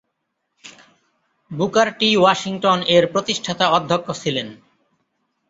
Booker T Washington এর প্রতিষ্ঠাতা অধ্যক্ষ ছিলেন।